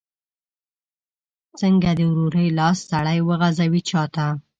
څنګه د ورورۍ لاس سړی وغځوي چاته؟